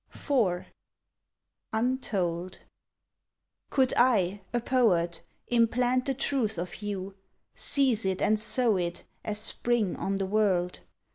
IV UNTOLD Could I, a poet, Implant the truth of you, Seize it and sow it As Spring on the world.